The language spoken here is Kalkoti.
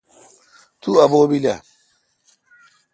تو ابو° بیلہ۔